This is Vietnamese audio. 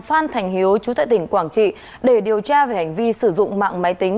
hành hiếu chú tại tỉnh quảng trị để điều tra về hành vi sử dụng mạng máy tính